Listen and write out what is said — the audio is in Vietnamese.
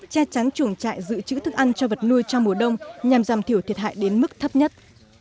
che chắn chuồng trại giữ chữ thức ăn cho vật nuôi trong mùa đông nhằm giảm thiểu thiệt hại đến mức thấp nhất